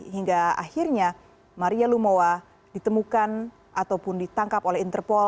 hingga akhirnya maria lumowa ditemukan ataupun ditangkap oleh interpol